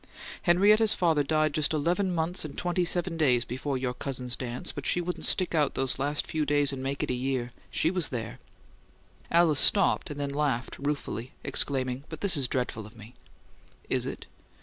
Henrietta's father died just, eleven months and twenty seven days before your cousin's dance, but she couldn't stick out those few last days and make it a year; she was there." Alice stopped, then laughed ruefully, exclaiming, "But this is dreadful of me!" "Is it?"